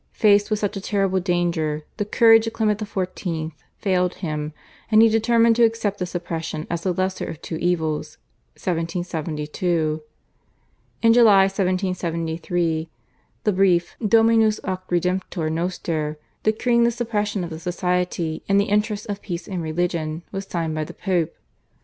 Faced with such a terrible danger, the courage of Clement XIV. failed him, and he determined to accept the suppression as the lesser of two evils (1772). In July 1773 the Brief /Dominus ac Redemptor noster/, decreeing the suppression of the Society in the interests of peace and religion, was signed by the Pope.